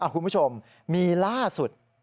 คุณผู้ชมมีล่าสุด